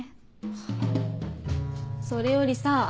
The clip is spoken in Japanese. ハァそれよりさ